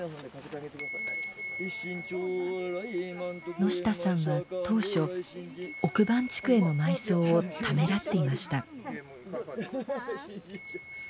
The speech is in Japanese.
野下さんは当初奥番地区への埋葬をためらっていました。